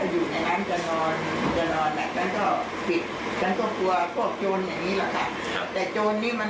แล้วทีนี้มันเป็นลูกโกงเห็ดเนี่ย